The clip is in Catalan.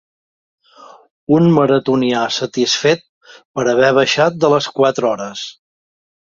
Un maratonià satisfet per haver baixat de les quatre hores.